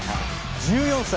１４歳！